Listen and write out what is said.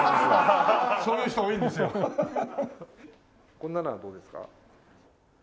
こんなのはどうですか？